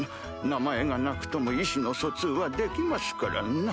名前がなくとも意思の疎通はできますからな。